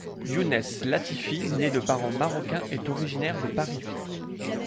Younes Latifi né de parents marocain est originaire de Paris.